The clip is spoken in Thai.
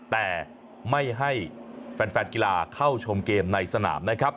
แต่ไม่ให้แฟนกีฬาเข้าชมเกมในสนามนะครับ